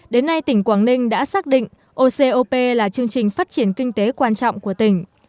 đến nay tỉnh quảng ninh đã xác định ocop là chương trình phát triển kinh tế quan trọng của tỉnh